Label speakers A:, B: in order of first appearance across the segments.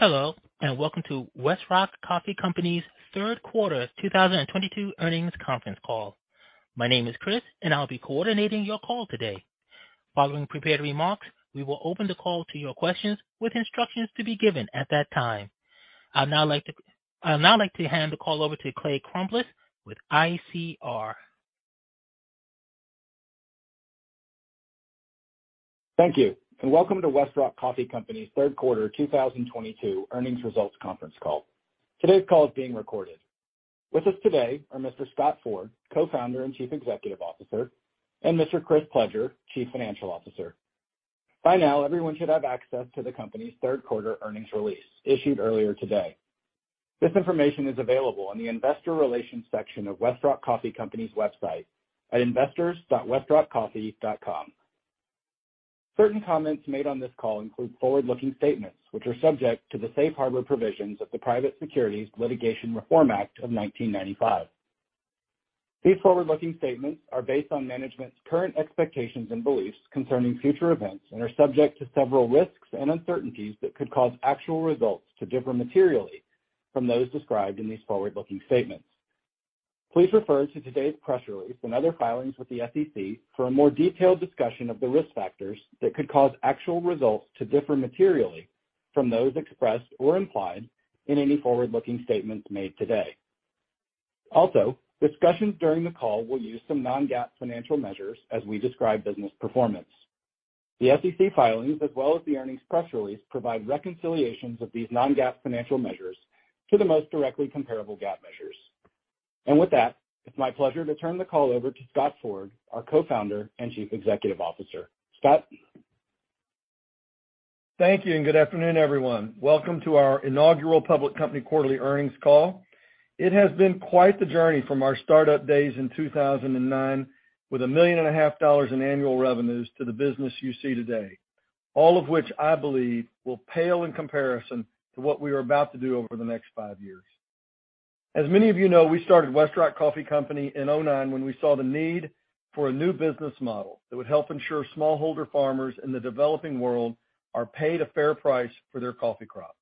A: Hello, and welcome to Westrock Coffee Company's third quarter 2022 earnings conference call. My name is Chris, and I'll be coordinating your call today. Following prepared remarks, we will open the call to your questions with instructions to be given at that time. I'd now like to hand the call over to Clay Crumbliss with ICR.
B: Thank you. Welcome to Westrock Coffee Company's third quarter 2022 earnings results conference call. Today's call is being recorded. With us today are Mr. Scott Ford, Co-founder and Chief Executive Officer, and Mr. Chris Pledger, Chief Financial Officer. By now, everyone should have access to the company's third quarter earnings release issued earlier today. This information is available in the investor relations section of Westrock Coffee Company's website at investors.westrockcoffee.com. Certain comments made on this call include forward-looking statements, which are subject to the safe harbor provisions of the Private Securities Litigation Reform Act of 1995. These forward-looking statements are based on management's current expectations and beliefs concerning future events and are subject to several risks and uncertainties that could cause actual results to differ materially from those described in these forward-looking statements. Please refer to today's press release and other filings with the SEC for a more detailed discussion of the risk factors that could cause actual results to differ materially from those expressed or implied in any forward-looking statements made today. Also, discussions during the call will use some non-GAAP financial measures as we describe business performance. The SEC filings, as well as the earnings press release, provide reconciliations of these non-GAAP financial measures to the most directly comparable GAAP measures. With that, it's my pleasure to turn the call over to Scott Ford, our Co-founder and Chief Executive Officer. Scott?
C: Thank you, and good afternoon, everyone. Welcome to our inaugural public company quarterly earnings call. It has been quite the journey from our startup days in 2009 with $1.5 million in annual revenues to the business you see today. All of which I believe will pale in comparison to what we are about to do over the next five years. As many of you know, we started Westrock Coffee Company in 2009 when we saw the need for a new business model that would help ensure smallholder farmers in the developing world are paid a fair price for their coffee crop.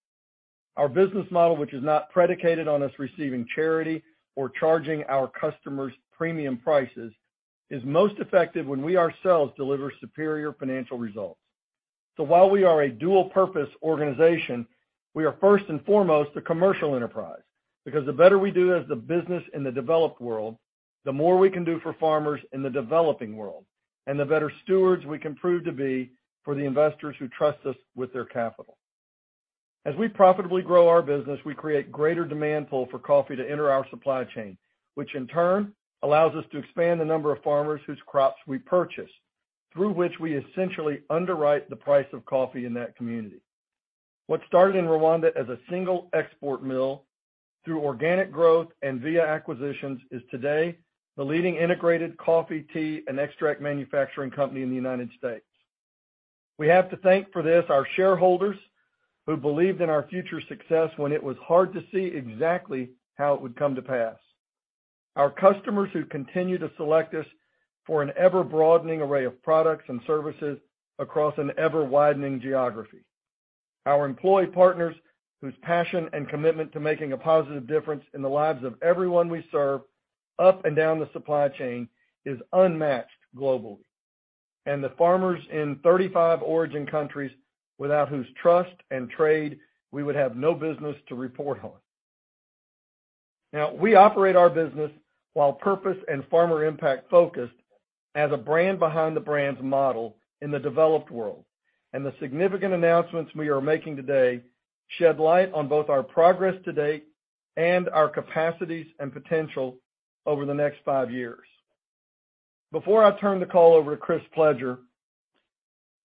C: Our business model, which is not predicated on us receiving charity or charging our customers premium prices, is most effective when we ourselves deliver superior financial results. While we are a dual purpose organization, we are first and foremost a commercial enterprise. Because the better we do as a business in the developed world, the more we can do for farmers in the developing world, and the better stewards we can prove to be for the investors who trust us with their capital. As we profitably grow our business, we create greater demand pool for coffee to enter our supply chain, which in turn allows us to expand the number of farmers whose crops we purchase, through which we essentially underwrite the price of coffee in that community. What started in Rwanda as a single export mill through organic growth and via acquisitions, is today the leading integrated coffee, tea, and extract manufacturing company in the United States. We have to thank for this our shareholders who believed in our future success when it was hard to see exactly how it would come to pass. Our customers who continue to select us for an ever-broadening array of products and services across an ever-widening geography. Our employee partners, whose passion and commitment to making a positive difference in the lives of everyone we serve up and down the supply chain is unmatched globally. The farmers in 35 origin countries without whose trust and trade we would have no business to report on. Now, we operate our business while purpose and farmer impact focused as a brand behind the brands model in the developed world, and the significant announcements we are making today shed light on both our progress to date and our capacities and potential over the next 5 years. Before I turn the call over to Chris Pledger,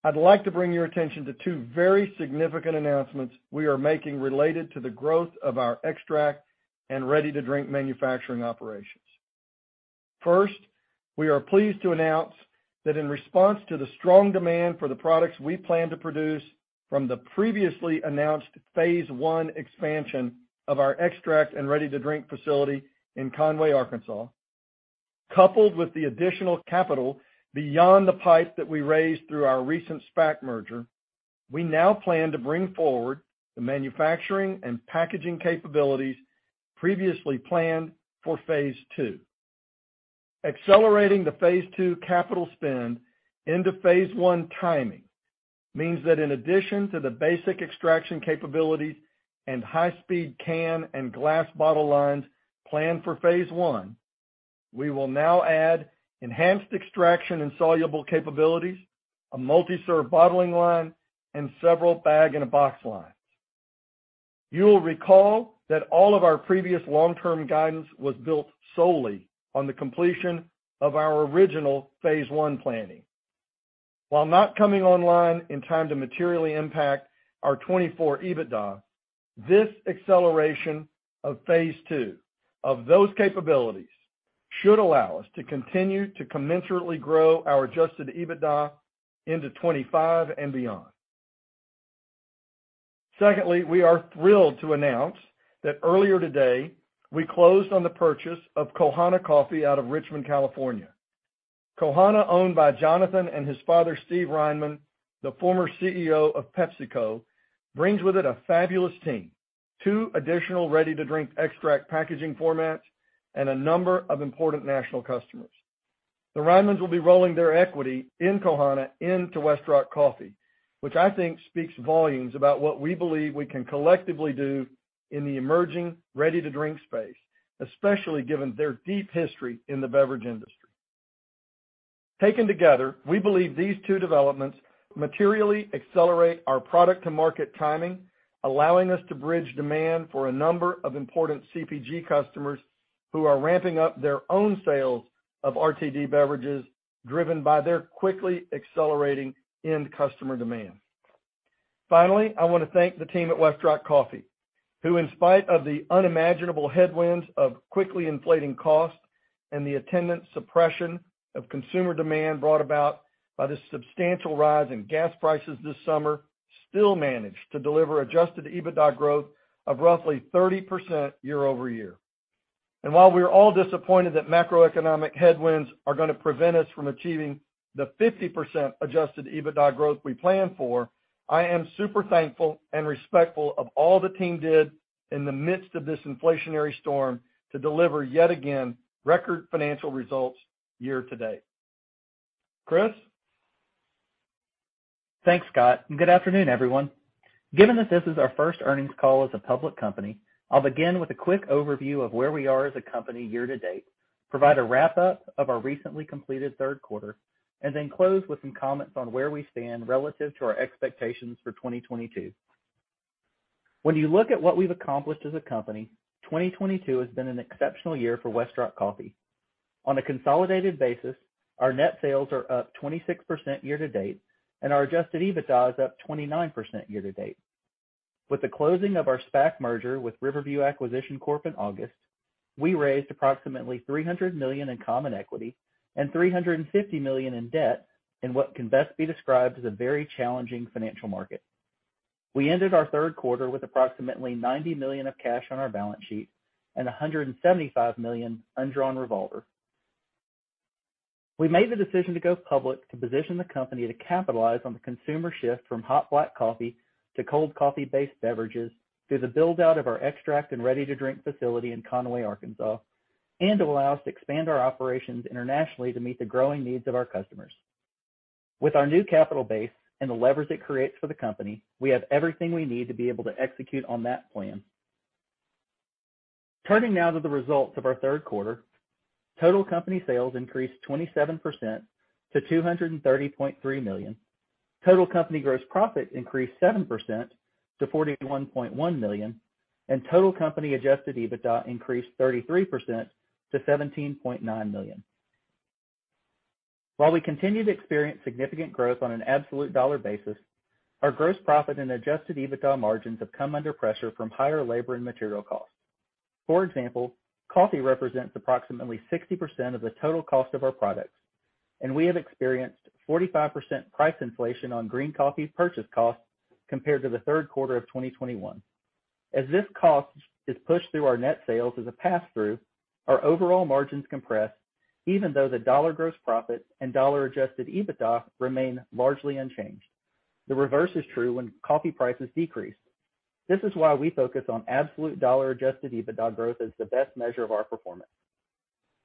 C: I'd like to bring your attention to two very significant announcements we are making related to the growth of our extract and ready-to-drink manufacturing operations. First, we are pleased to announce that in response to the strong demand for the products we plan to produce from the previously announced phase one expansion of our extract and ready-to-drink facility in Conway, Arkansas, coupled with the additional capital beyond the PIPE that we raised through our recent SPAC merger, we now plan to bring forward the manufacturing and packaging capabilities previously planned for phase two. Accelerating the phase two capital spend into phase one timing means that in addition to the basic extraction capabilities and high speed can and glass bottle lines planned for phase one, we will now add enhanced extraction and soluble capabilities, a multi-serve bottling line, and several bag-in-box lines. You'll recall that all of our previous long-term guidance was built solely on the completion of our original phase one planning. While not coming online in time to materially impact our 2024 EBITDA, this acceleration of phase two of those capabilities should allow us to continue to commensurately grow our adjusted EBITDA into 2025 and beyond. Secondly, we are thrilled to announce that earlier today, we closed on the purchase of Kohana Coffee out of Richmond, California. Kohana, owned by Jonathan and his father, Steve Reinemund, the former CEO of PepsiCo, brings with it a fabulous team, two additional ready-to-drink extract packaging formats, and a number of important national customers. The Reinemunds will be rolling their equity in Kohana into Westrock Coffee, which I think speaks volumes about what we believe we can collectively do in the emerging ready-to-drink space, especially given their deep history in the beverage industry. Taken together, we believe these two developments materially accelerate our product to market timing, allowing us to bridge demand for a number of important CPG customers who are ramping up their own sales of RTD beverages, driven by their quickly accelerating end customer demand. Finally, I wanna thank the team at Westrock Coffee, who, in spite of the unimaginable headwinds of quickly inflating costs and the attendant suppression of consumer demand brought about by the substantial rise in gas prices this summer, still managed to deliver adjusted EBITDA growth of roughly 30% year-over-year. While we are all disappointed that macroeconomic headwinds are gonna prevent us from achieving the 50% adjusted EBITDA growth we planned for, I am super thankful and respectful of all the team did in the midst of this inflationary storm to deliver yet again record financial results year to date. Chris?
D: Thanks, Scott, and good afternoon, everyone. Given that this is our first earnings call as a public company, I'll begin with a quick overview of where we are as a company year to date, provide a wrap-up of our recently completed third quarter, and then close with some comments on where we stand relative to our expectations for 2022. When you look at what we've accomplished as a company, 2022 has been an exceptional year for Westrock Coffee. On a consolidated basis, our net sales are up 26% year to date, and our adjusted EBITDA is up 29% year to date. With the closing of our SPAC merger with Riverview Acquisition Corp. in August, we raised approximately $300 million in common equity and $350 million in debt in what can best be described as a very challenging financial market. We ended our third quarter with approximately $90 million of cash on our balance sheet and $175 million undrawn revolver. We made the decision to go public to position the company to capitalize on the consumer shift from hot black coffee to cold coffee-based beverages through the build-out of our extract and ready-to-drink facility in Conway, Arkansas, and to allow us to expand our operations internationally to meet the growing needs of our customers. With our new capital base and the leverage it creates for the company, we have everything we need to be able to execute on that plan. Turning now to the results of our third quarter, total company sales increased 27% to $230.3 million. Total company gross profit increased 7% to $41.1 million, and total company adjusted EBITDA increased 33% to $17.9 million. While we continue to experience significant growth on an absolute dollar basis, our gross profit and adjusted EBITDA margins have come under pressure from higher labor and material costs. For example, coffee represents approximately 60% of the total cost of our products, and we have experienced 45% price inflation on green coffee purchase costs compared to the third quarter of 2021. As this cost is pushed through our net sales as a pass-through, our overall margins compress even though the dollar gross profit and dollar-adjusted EBITDA remain largely unchanged. The reverse is true when coffee prices decrease. This is why we focus on absolute dollar-adjusted EBITDA growth as the best measure of our performance.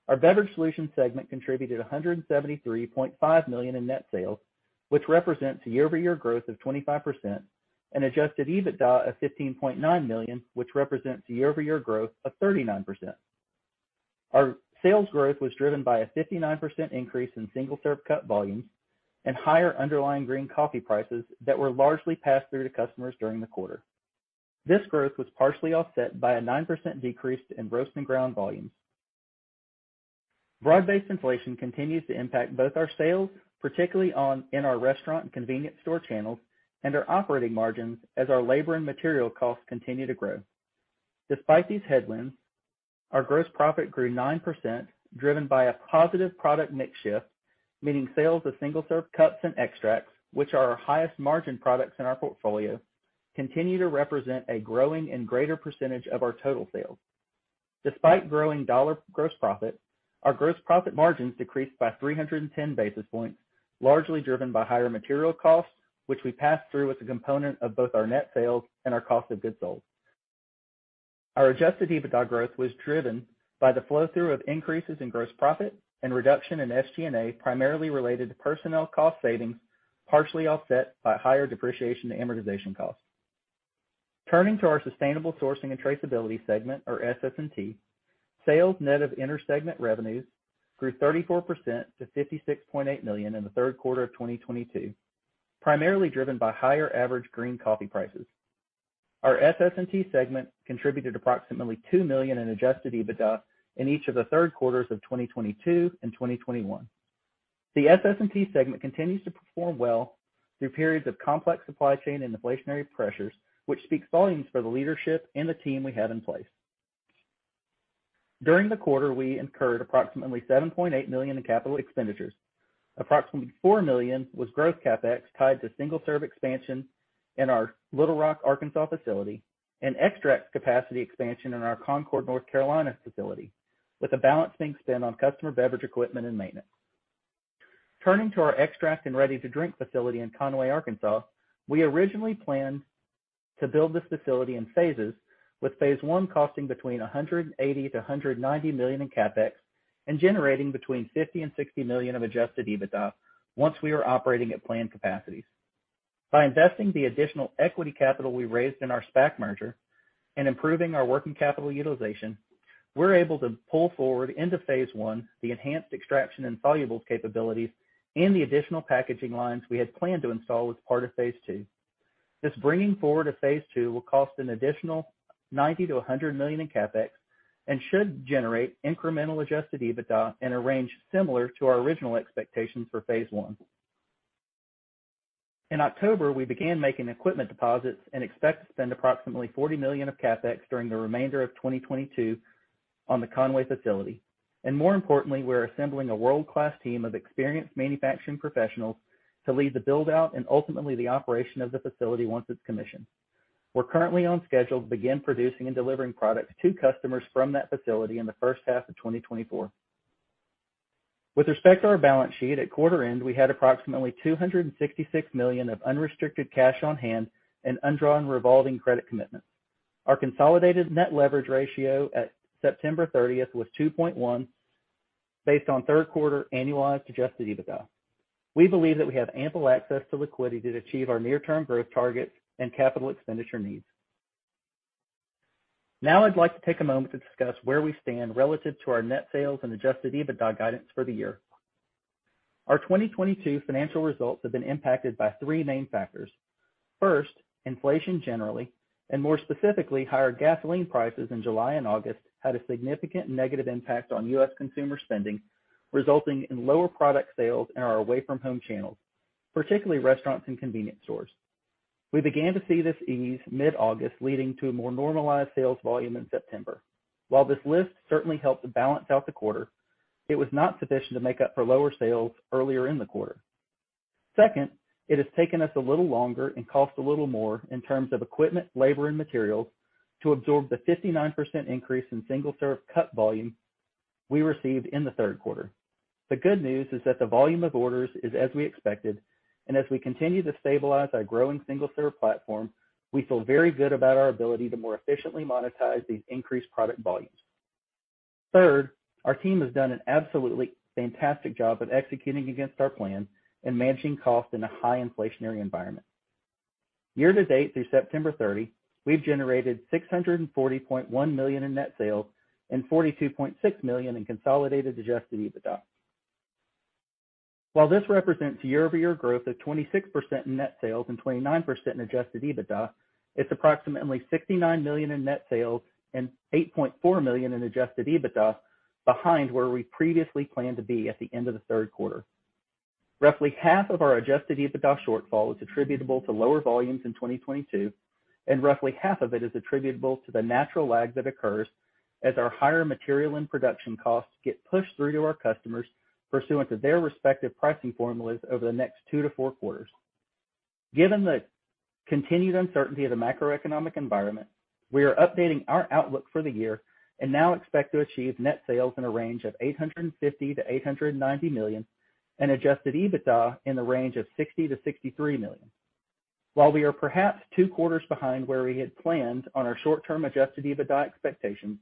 D: Our Beverage Solutions segment contributed $173.5 million in net sales, which represents a year-over-year growth of 25%, and adjusted EBITDA of $15.9 million, which represents year-over-year growth of 39%. Our sales growth was driven by a 59% increase in single-serve cup volumes and higher underlying green coffee prices that were largely passed through to customers during the quarter. This growth was partially offset by a 9% decrease in roast and ground volumes. Broad-based inflation continues to impact both our sales, particularly in our restaurant and convenience store channels, and our operating margins as our labor and material costs continue to grow. Despite these headwinds, our gross profit grew 9%, driven by a positive product mix shift, meaning sales of single-serve cups and extracts, which are our highest margin products in our portfolio, continue to represent a growing and greater percentage of our total sales. Despite growing dollar gross profit, our gross profit margins decreased by 310 basis points, largely driven by higher material costs, which we passed through as a component of both our net sales and our cost of goods sold. Our adjusted EBITDA growth was driven by the flow-through of increases in gross profit and reduction in SG&A, primarily related to personnel cost savings, partially offset by higher depreciation and amortization costs. Turning to our Sustainable Sourcing and Traceability segment, or SS&T, sales net of inter-segment revenues grew 34% to $56.8 million in the third quarter of 2022, primarily driven by higher average green coffee prices. Our SS&T segment contributed approximately $2 million in adjusted EBITDA in each of the third quarters of 2022 and 2021. The SS&T segment continues to perform well through periods of complex supply chain and inflationary pressures, which speaks volumes for the leadership and the team we have in place. During the quarter, we incurred approximately $7.8 million in capital expenditures. Approximately $4 million was growth CapEx tied to single-serve expansion in our Little Rock, Arkansas facility and extract capacity expansion in our Concord, North Carolina facility, with the balance being spent on customer beverage equipment and maintenance. Turning to our extract and ready-to-drink facility in Conway, Arkansas, we originally planned to build this facility in phases, with phase one costing between $180-$190 million in CapEx and generating between $50 million and $60 million of adjusted EBITDA once we are operating at planned capacities. By investing the additional equity capital we raised in our SPAC merger and improving our working capital utilization, we're able to pull forward into phase one the enhanced extraction and solubles capabilities and the additional packaging lines we had planned to install as part of phase two. This bringing forward of phase two will cost an additional $90-$100 million in CapEx and should generate incremental adjusted EBITDA in a range similar to our original expectations for phase one. In October, we began making equipment deposits and expect to spend approximately $40 million of CapEx during the remainder of 2022 on the Conway facility. More importantly, we're assembling a world-class team of experienced manufacturing professionals to lead the build-out and ultimately the operation of the facility once it's commissioned. We're currently on schedule to begin producing and delivering products to customers from that facility in the first half of 2024. With respect to our balance sheet, at quarter end, we had approximately $266 million of unrestricted cash on hand and undrawn revolving credit commitments. Our consolidated net leverage ratio at September 30 was 2.1 based on third quarter annualized adjusted EBITDA. We believe that we have ample access to liquidity to achieve our near-term growth targets and capital expenditure needs. Now I'd like to take a moment to discuss where we stand relative to our net sales and adjusted EBITDA guidance for the year. Our 2022 financial results have been impacted by three main factors. First, inflation generally, and more specifically, higher gasoline prices in July and August, had a significant negative impact on U.S. consumer spending, resulting in lower product sales in our away-from-home channels, particularly restaurants and convenience stores. We began to see this ease mid-August, leading to a more normalized sales volume in September. While this lift certainly helped to balance out the quarter, it was not sufficient to make up for lower sales earlier in the quarter. Second, it has taken us a little longer and cost a little more in terms of equipment, labor, and materials to absorb the 59% increase in single-serve cup volume we received in the third quarter. The good news is that the volume of orders is as we expected, and as we continue to stabilize our growing single-serve platform, we feel very good about our ability to more efficiently monetize these increased product volumes. Third, our team has done an absolutely fantastic job of executing against our plan and managing costs in a high inflationary environment. Year-to-date through September 30, we've generated $640.1 million in net sales and $42.6 million in consolidated adjusted EBITDA. While this represents year-over-year growth of 26% in net sales and 29% in adjusted EBITDA, it's approximately $69 million in net sales and $8.4 million in adjusted EBITDA behind where we previously planned to be at the end of the third quarter. Roughly half of our adjusted EBITDA shortfall is attributable to lower volumes in 2022, and roughly half of it is attributable to the natural lag that occurs as our higher material and production costs get pushed through to our customers pursuant to their respective pricing formulas over the next 2 to 4 quarters. Given the continued uncertainty of the macroeconomic environment, we are updating our outlook for the year and now expect to achieve net sales in a range of $850 million-$890 million and adjusted EBITDA in the range of $60 million-$63 million. While we are perhaps two quarters behind where we had planned on our short-term adjusted EBITDA expectations,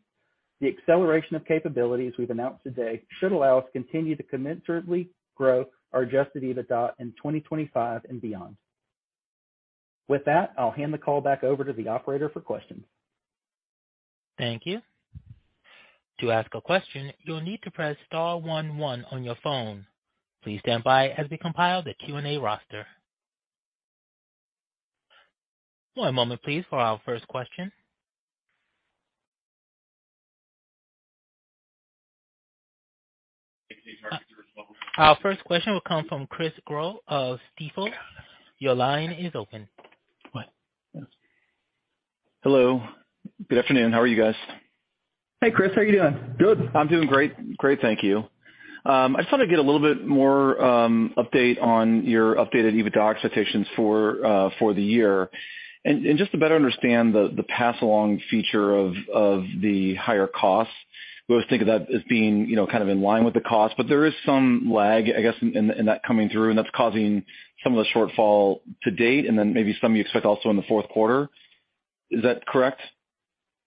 D: the acceleration of capabilities we've announced today should allow us to continue to commensurately grow our adjusted EBITDA in 2025 and beyond. With that, I'll hand the call back over to the operator for questions.
A: Thank you. To ask a question, you'll need to press star one one on your phone. Please stand by as we compile the Q&A roster. One moment please for our first question. Our first question will come from Chris Growe of Stifel. Your line is open.
D: What? Yes.
E: Hello. Good afternoon. How are you guys?
D: Hey, Chris, how are you doing?
E: Good. I'm doing great. Great, thank you. I just wanna get a little bit more update on your updated EBITDA expectations for the year. Just to better understand the pass-along feature of the higher costs. We always think of that as being, you know, kind of in line with the cost, but there is some lag, I guess, in that coming through, and that's causing some of the shortfall to date and then maybe some you expect also in the fourth quarter. Is that correct?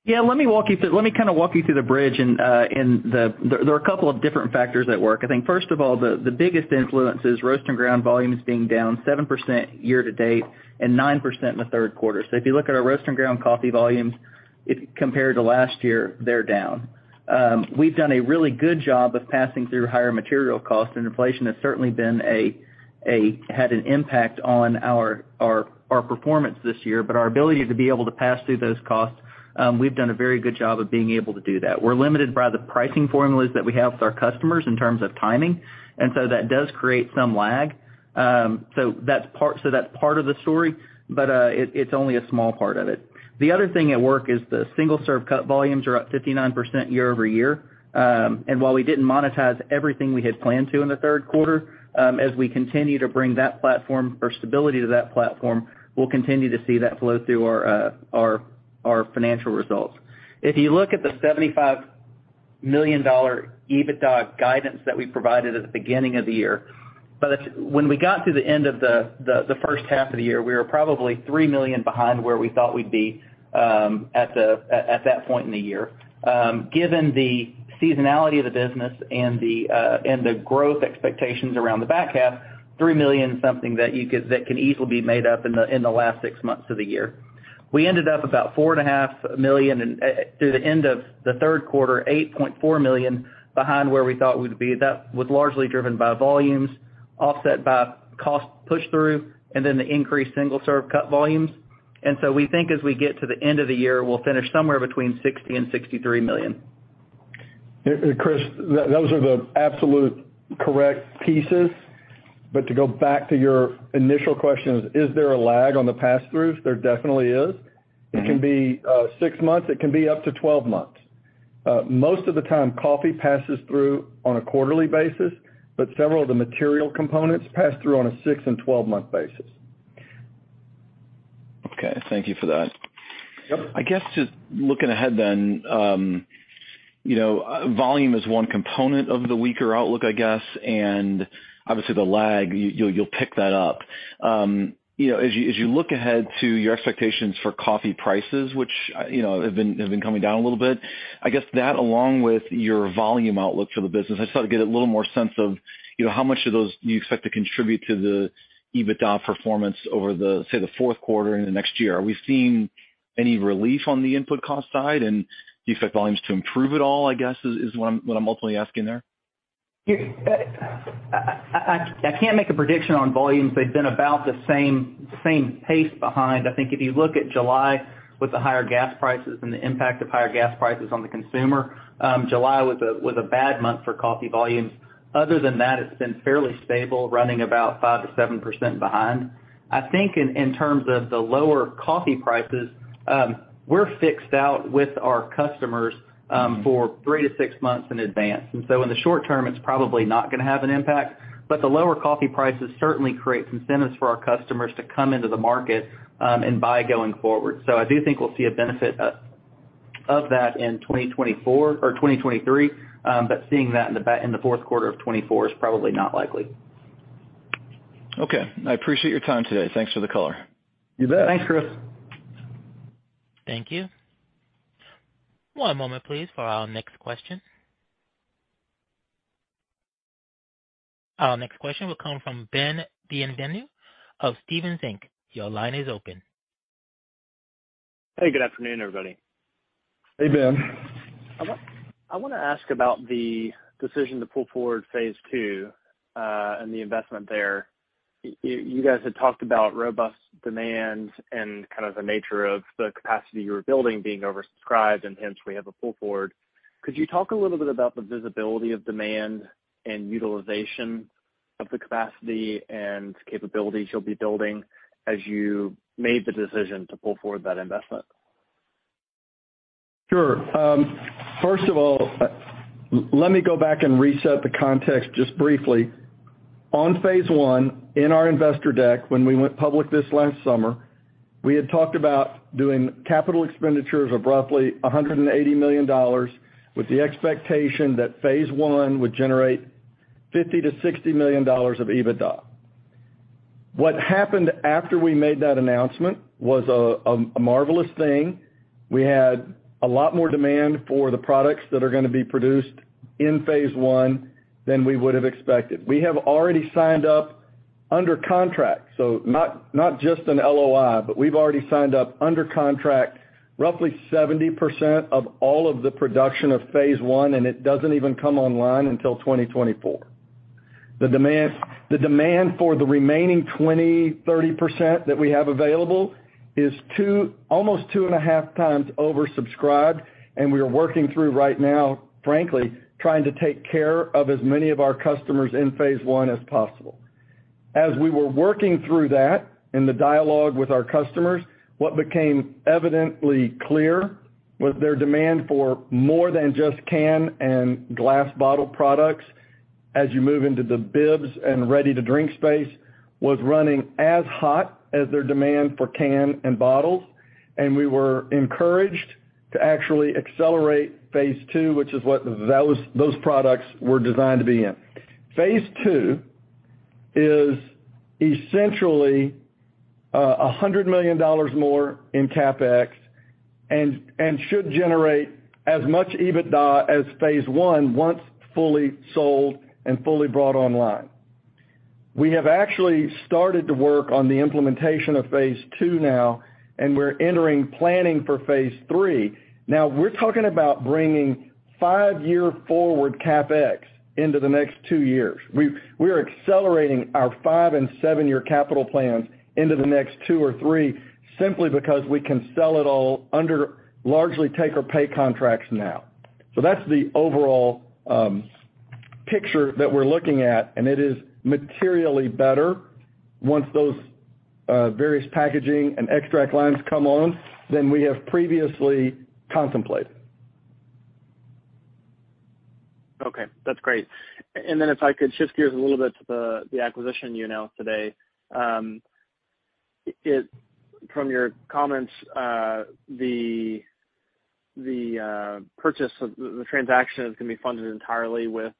D: Yeah. Let me kind of walk you through the bridge. There are a couple of different factors at work. I think, first of all, the biggest influence is roast and ground volumes being down 7% year to date and 9% in the third quarter. If you look at our roast and ground coffee volumes, if you compare to last year, they're down. We've done a really good job of passing through higher material costs, and inflation has certainly had an impact on our performance this year. Our ability to be able to pass through those costs, we've done a very good job of being able to do that. We're limited by the pricing formulas that we have with our customers in terms of timing, and so that does create some lag. That's part of the story, but it's only a small part of it. The other thing at work is the single-serve cup volumes are up 59% year-over-year. While we didn't monetize everything we had planned to in the third quarter, as we continue to bring that platform or stability to that platform, we'll continue to see that flow through our financial results. If you look at the $75 million EBITDA guidance that we provided at the beginning of the year. When we got to the end of the first half of the year, we were probably $3 million behind where we thought we'd be at that point in the year. Given the seasonality of the business and the growth expectations around the back half, $3 million that can easily be made up in the last six months of the year. We ended up about $4.5 million through the end of the third quarter, $8.4 million behind where we thought we'd be. That was largely driven by volumes offset by cost push-through and then the increased single-serve cup volumes. We think as we get to the end of the year, we'll finish somewhere between $60 million and $63 million.
C: Chris, those are the absolutely correct pieces. To go back to your initial question, is there a lag on the pass-throughs? There definitely is. It can be 6 months, it can be up to 12 months. Most of the time, coffee passes through on a quarterly basis, but several of the material components pass through on a 6- and 12-month basis.
E: Okay. Thank you for that.
C: Yep.
E: I guess just looking ahead then, you know, volume is one component of the weaker outlook, I guess. Obviously the lag, you'll pick that up. You know, as you look ahead to your expectations for coffee prices, which, you know, have been coming down a little bit, I guess that along with your volume outlook for the business, I just thought to get a little more sense of, you know, how much of those do you expect to contribute to the EBITDA performance over, say, the fourth quarter and the next year. Are we seeing any relief on the input cost side? Do you expect volumes to improve at all, I guess, is what I'm ultimately asking there.
D: Yeah. I can't make a prediction on volumes. They've been about the same pace behind. I think if you look at July with the higher gas prices and the impact of higher gas prices on the consumer, July was a bad month for coffee volumes. Other than that, it's been fairly stable, running about 5%-7% behind. I think in terms of the lower coffee prices, we're fixed out with our customers for 3-6 months in advance. In the short term, it's probably not gonna have an impact. But the lower coffee prices certainly create some incentives for our customers to come into the market and buy going forward. I do think we'll see a benefit of that in 2024 or 2023. Seeing that in the fourth quarter of 2024 is probably not likely.
E: Okay. I appreciate your time today. Thanks for the color.
C: You bet.
D: Thanks, Chris.
A: Thank you. One moment, please, for our next question. Our next question will come from Ben Klieve of Stephens Inc. Your line is open.
F: Hey, good afternoon, everybody.
C: Hey, Ben.
F: I wanna ask about the decision to pull forward phase two, and the investment there. You guys had talked about robust demand and kind of the nature of the capacity you were building being oversubscribed, and hence we have a pull forward. Could you talk a little bit about the visibility of demand and utilization of the capacity and capabilities you'll be building as you made the decision to pull forward that investment?
C: Sure. First of all, let me go back and reset the context just briefly. On phase one in our investor deck, when we went public this last summer, we had talked about doing capital expenditures of roughly $180 million with the expectation that phase one would generate $50 million-$60 million of EBITDA. What happened after we made that announcement was a marvelous thing. We had a lot more demand for the products that are gonna be produced in phase one than we would have expected. We have already signed up under contract, so not just an LOI, but we've already signed up under contract roughly 70% of all of the production of phase one, and it doesn't even come online until 2024. The demand for the remaining 20-30% that we have available is almost 2.5 times oversubscribed, and we are working through right now, frankly, trying to take care of as many of our customers in phase one as possible. As we were working through that in the dialogue with our customers, what became evidently clear was their demand for more than just can and glass bottle products as you move into the BIBs and ready-to-drink space was running as hot as their demand for can and bottles. We were encouraged to actually accelerate phase two, which is what those products were designed to be in. Phase two is essentially $100 million more in CapEx and should generate as much EBITDA as phase one once fully sold and fully brought online. We have actually started to work on the implementation of phase two now, and we're entering planning for phase three. Now, we're talking about bringing five-year forward CapEx into the next two years. We are accelerating our five and seven-year capital plans into the next two or three simply because we can sell it all under largely take-or-pay contracts now. That's the overall picture that we're looking at, and it is materially better once those various packaging and extract lines come on than we have previously contemplated.
F: Okay, that's great. If I could shift gears a little bit to the acquisition you announced today. From your comments, the transaction is gonna be funded entirely with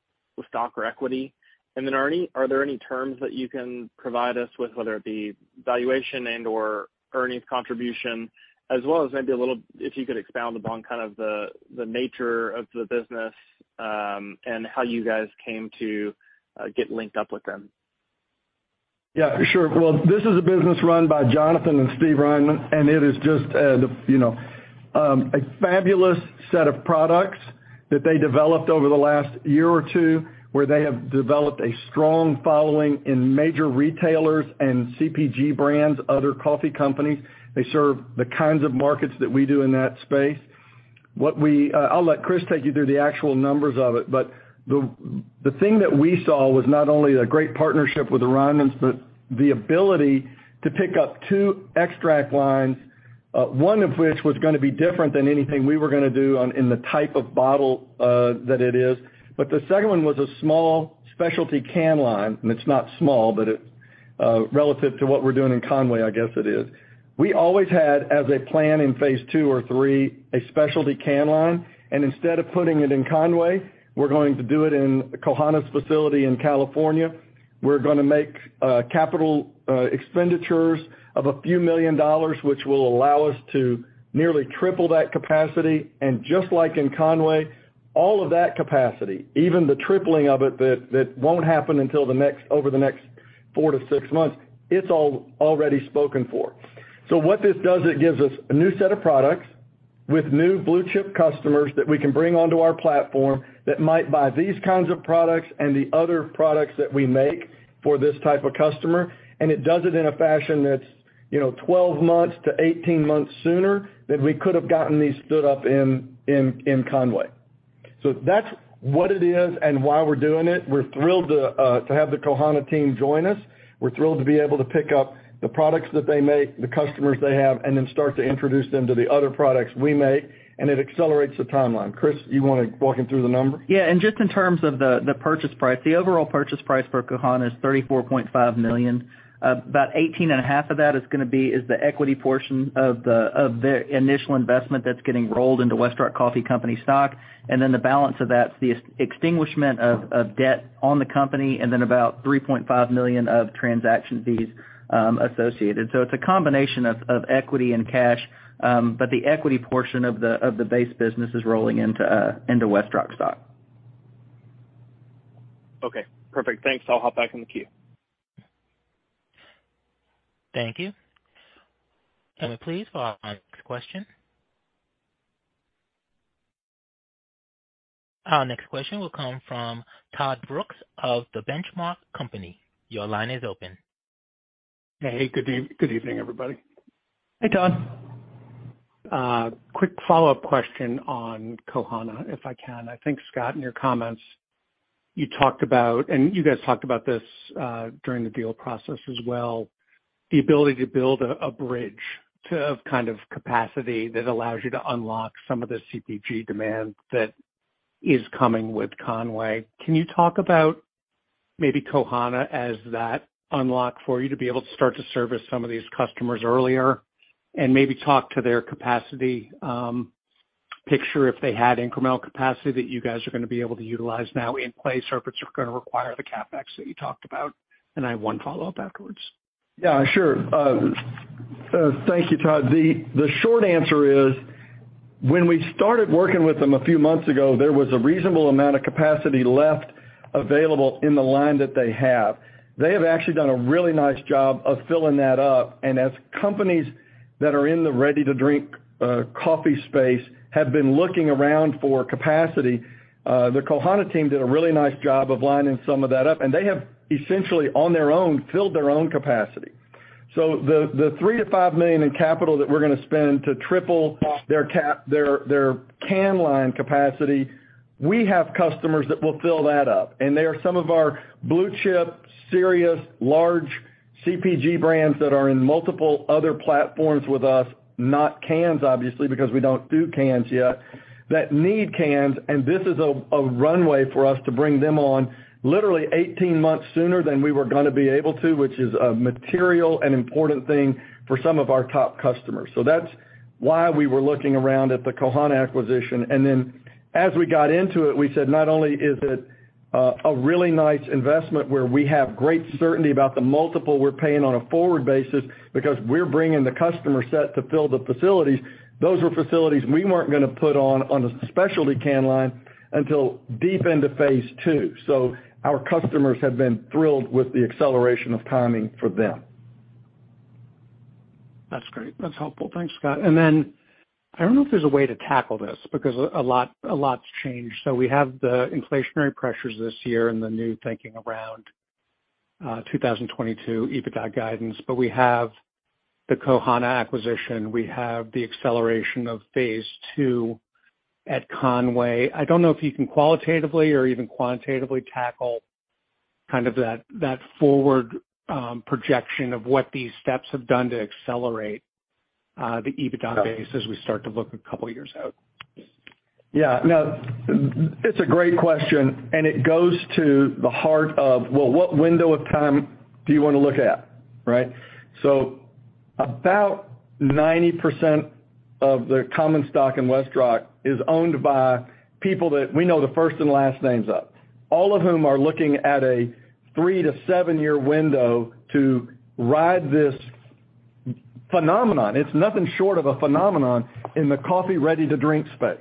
F: stock or equity. Are there any terms that you can provide us with, whether it be valuation and/or earnings contribution, as well as maybe a little. If you could expound upon kind of the nature of the business, and how you guys came to get linked up with them.
C: Yeah, sure. Well, this is a business run by Jonathan and Steve Reinemund, and it is just a fabulous set of products that they developed over the last year or two, where they have developed a strong following in major retailers and CPG brands, other coffee companies. They serve the kinds of markets that we do in that space. I'll let Chris take you through the actual numbers of it. The thing that we saw was not only a great partnership with the Reinemunds, but the ability to pick up two extract lines, one of which was gonna be different than anything we were gonna do in the type of bottle that it is. The second one was a small specialty can line. I mean, it's not small, but it relative to what we're doing in Conway, I guess it is. We always had as a plan in phase two or three, a specialty can line, and instead of putting it in Conway, we're going to do it in Kohana's facility in California. We're gonna make capital expenditures of $ a few million, which will allow us to nearly triple that capacity. Just like in Conway, all of that capacity, even the tripling of it that won't happen until over the next 4-6 months, it's already spoken for. What this does, it gives us a new set of products with new blue chip customers that we can bring onto our platform that might buy these kinds of products and the other products that we make for this type of customer. It does it in a fashion that's, you know, 12-18 months sooner than we could have gotten these stood up in Conway. That's what it is and why we're doing it. We're thrilled to have the Kohana team join us. We're thrilled to be able to pick up the products that they make, the customers they have, and then start to introduce them to the other products we make, and it accelerates the timeline. Chris, you wanna walk him through the numbers?
D: Yeah. Just in terms of the purchase price, the overall purchase price for Kohana is $34.5 million. About $18.5 million of that is the equity portion of the initial investment that's getting rolled into Westrock Coffee Company stock. Then the balance of that is the extinguishment of debt on the company and then about $3.5 million of transaction fees associated. It's a combination of equity and cash, but the equity portion of the base business is rolling into Westrock stock.
F: Okay, perfect. Thanks. I'll hop back in the queue.
A: Thank you. Can we please follow our next question? Our next question will come from Todd Brooks of The Benchmark Company. Your line is open.
G: Hey. Good evening, everybody.
C: Hey, Todd.
G: Quick follow-up question on Kohana, if I can. I think, Scott, in your comments, you talked about, and you guys talked about this, during the deal process as well, the ability to build a bridge to a kind of capacity that allows you to unlock some of the CPG demand that is coming with Conway. Can you talk about maybe Kohana as that unlock for you to be able to start to service some of these customers earlier and maybe talk to their capacity picture if they had incremental capacity that you guys are gonna be able to utilize now in place, or if it's gonna require the CapEx that you talked about? I have one follow-up afterwards.
C: Yeah, sure. Thank you, Todd. The short answer is, when we started working with them a few months ago, there was a reasonable amount of capacity left available in the line that they have. They have actually done a really nice job of filling that up. As companies that are in the ready-to-drink coffee space have been looking around for capacity, the Kohana team did a really nice job of lining some of that up, and they have essentially, on their own, filled their own capacity. The $3 million-$5 million in capital that we're gonna spend to triple their can line capacity, we have customers that will fill that up. They are some of our blue chip, serious large CPG brands that are in multiple other platforms with us, not cans, obviously, because we don't do cans yet, that need cans, and this is a runway for us to bring them on literally 18 months sooner than we were gonna be able to, which is a material and important thing for some of our top customers. That's why we were looking around at the Kohana acquisition. As we got into it, we said, not only is it a really nice investment where we have great certainty about the multiple we're paying on a forward basis because we're bringing the customer set to fill the facilities. Those were facilities we weren't gonna put on a specialty can line until deep into phase two. Our customers have been thrilled with the acceleration of timing for them.
G: That's great. That's helpful. Thanks, Scott. I don't know if there's a way to tackle this because a lot's changed. We have the inflationary pressures this year and the new thinking around 2022 EBITDA guidance, but we have the Kohana acquisition, we have the acceleration of phase two at Conway. I don't know if you can qualitatively or even quantitatively tackle kind of that forward projection of what these steps have done to accelerate the EBITDA base as we start to look a couple of years out.
C: Yeah. No, it's a great question, and it goes to the heart of, well, what window of time do you wanna look at, right? About 90% of the common stock in Westrock is owned by people that we know the first and last names of, all of whom are looking at a 3- to 7-year window to ride this phenomenon. It's nothing short of a phenomenon in the coffee ready-to-drink space.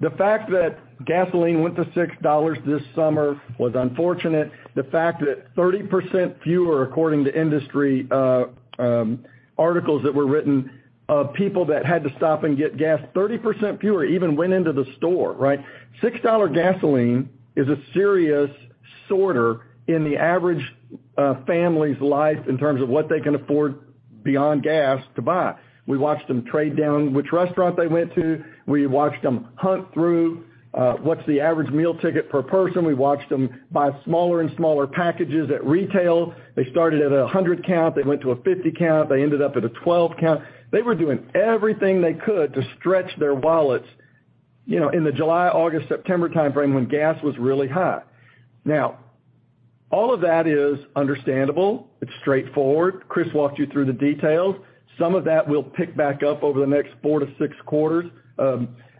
C: The fact that gasoline went to $6 this summer was unfortunate. The fact that 30% fewer, according to industry, articles that were written of people that had to stop and get gas, 30% fewer even went into the store, right? $6 gasoline is a serious stressor in the average, family's life in terms of what they can afford beyond gas to buy. We watched them trade down which restaurant they went to. We watched them hunt through what's the average meal ticket per person. We watched them buy smaller and smaller packages at retail. They started at a 100 count, they went to a 50 count, they ended up at a 12 count. They were doing everything they could to stretch their wallets, you know, in the July, August, September timeframe when gas was really high. Now, all of that is understandable. It's straightforward. Chris walked you through the details. Some of that will pick back up over the next 4-6 quarters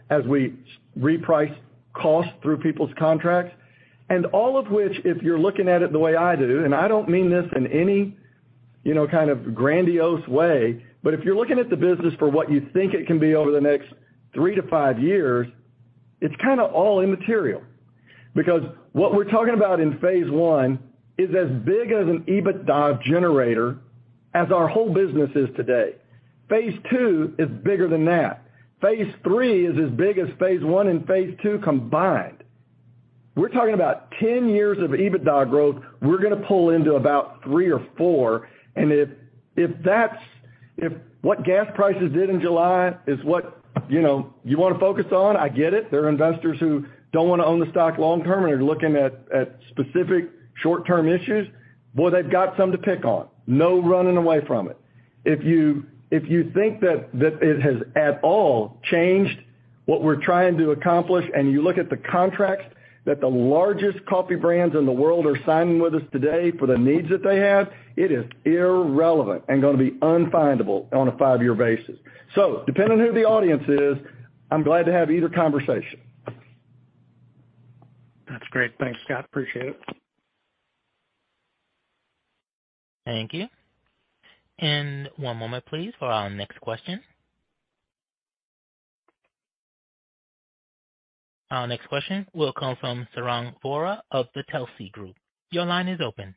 C: as we reprice costs through people's contracts. All of which, if you're looking at it the way I do, and I don't mean this in any, you know, kind of grandiose way, but if you're looking at the business for what you think it can be over the next 3 to 5 years, it's kinda all immaterial. Because what we're talking about in phase one is as big as an EBITDA generator as our whole business is today. Phase two is bigger than that. Phase three is as big as phase one and phase two combined. We're talking about 10 years of EBITDA growth, we're gonna pull into about 3 or 4. If what gas prices did in July is what, you know, you wanna focus on, I get it. There are investors who don't wanna own the stock long term and are looking at specific short-term issues, boy, they've got some to pick on. No running away from it. If you think that it has at all changed what we're trying to accomplish, and you look at the contracts that the largest coffee brands in the world are signing with us today for the needs that they have, it is irrelevant and gonna be unfindable on a five-year basis. Depending on who the audience is, I'm glad to have either conversation.
G: That's great. Thanks, Scott. Appreciate it.
A: Thank you. One moment please for our next question. Our next question will come from Sarang Vora of Telsey Advisory Group. Your line is open.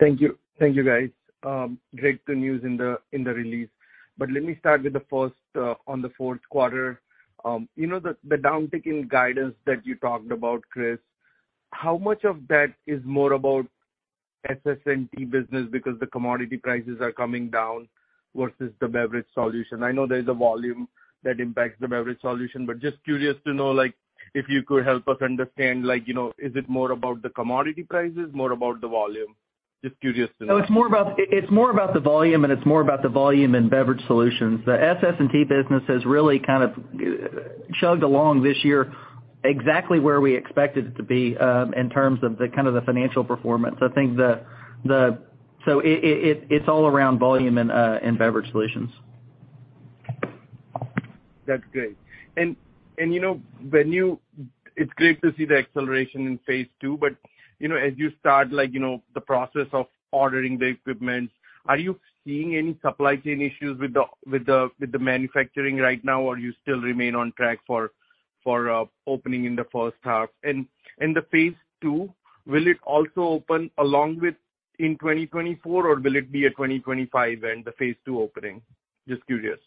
H: Thank you. Thank you, guys. Great good news in the release. Let me start with the first on the fourth quarter. You know, the downtick in guidance that you talked about, Chris, how much of that is more about SS&T business because the commodity prices are coming down versus the beverage solution? I know there's a volume that impacts the beverage solution, but just curious to know, like, if you could help us understand, like, you know, is it more about the commodity prices, more about the volume? Just curious to know.
D: No, it's more about the volume in Beverage Solutions. The SS&T business has really kind of chugged along this year exactly where we expected it to be in terms of the kind of financial performance. I think it's all around volume and Beverage Solutions.
H: That's great. You know, when it's great to see the acceleration in phase two, but you know, as you start, like, you know, the process of ordering the equipment, are you seeing any supply chain issues with the manufacturing right now, or you still remain on track for opening in the first half? The phase two, will it also open along with in 2024, or will it be a 2025 end, the phase two opening? Just curious.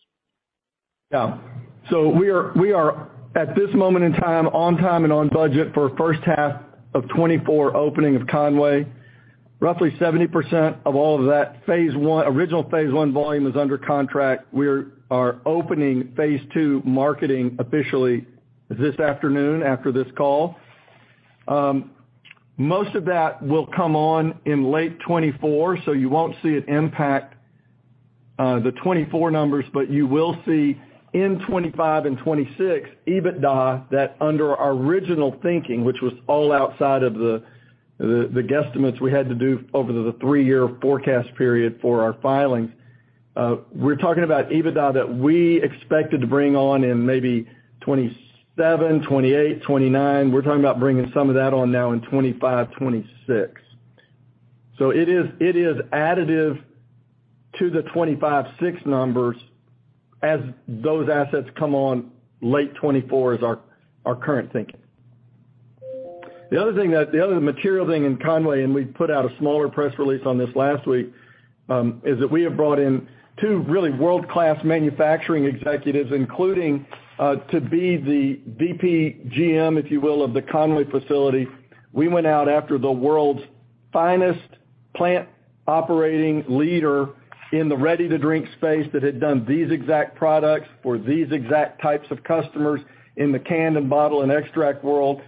C: We are at this moment in time on time and on budget for first half of 2024 opening of Conway. Roughly 70% of all of that original phase one volume is under contract. We are opening phase two marketing officially this afternoon after this call. Most of that will come on in late 2024, so you won't see it impact the 2024 numbers, but you will see in 2025 and 2026 EBITDA that under our original thinking, which was all outside of the guesstimates we had to do over the three-year forecast period for our filings, we're talking about EBITDA that we expected to bring on in maybe 2027, 2028, 2029. We're talking about bringing some of that on now in 2025, 2026. It is additive to the 256 numbers as those assets come on late 2024 is our current thinking. The other material thing in Conway, and we put out a smaller press release on this last week, is that we have brought in two really world-class manufacturing executives, including to be the VP & GM, if you will, of the Conway facility. We went out after the world's finest plant operating leader in the ready-to-drink space that had done these exact products for these exact types of customers in the can and bottle and extract world.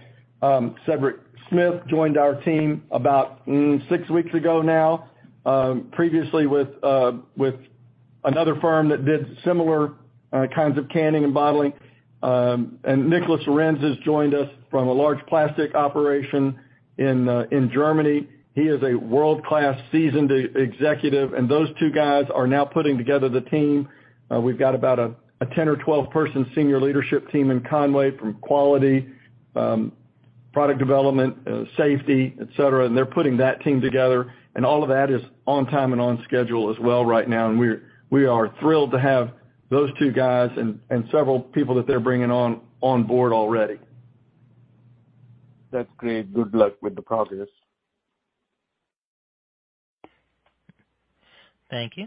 C: Cedric Smith joined our team about six weeks ago now, previously with another firm that did similar kinds of canning and bottling. Nicolas Lorenz has joined us from a large plastic operation in Germany. He is a world-class seasoned executive, and those two guys are now putting together the team. We've got about a 10 or 12-person senior leadership team in Conway from quality, product development, safety, et cetera, and they're putting that team together. All of that is on time and on schedule as well right now, and we are thrilled to have those two guys and several people that they're bringing on board already.
H: That's great. Good luck with the progress.
A: Thank you.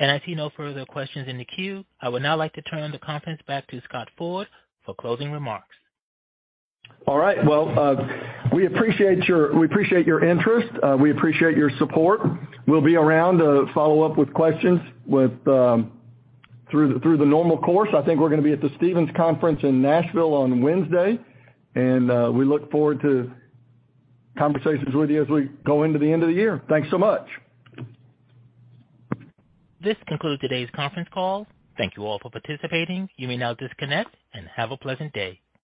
A: I see no further questions in the queue. I would now like to turn the conference back to Scott Ford for closing remarks.
C: All right. Well, we appreciate your interest. We appreciate your support. We'll be around to follow up with questions through the normal course. I think we're gonna be at the Stephens Conference in Nashville on Wednesday, and we look forward to conversations with you as we go into the end of the year. Thanks so much.
A: This concludes today's conference call. Thank you all for participating. You may now disconnect and have a pleasant day.